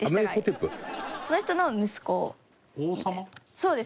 そうです！